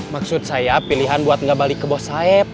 maksud saya pilihan buat gak balik ke bos haef